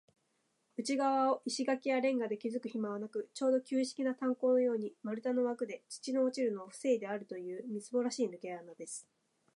内がわを石がきやレンガできずくひまはなく、ちょうど旧式な炭坑のように、丸太のわくで、土の落ちるのをふせいであるという、みすぼらしいぬけ穴です。